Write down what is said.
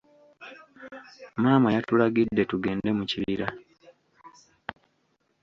Maama yatulagidde tugende mu kibira.